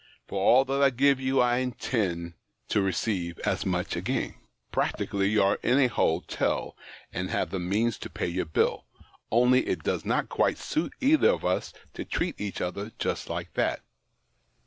For all that I give you, I intend to receive as much again. Practically, you are in a hotel, and have the means to pay your bill, only it docs not quite suit either of us to treat each other just like that.